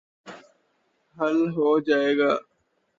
حل ہو جائے گا۔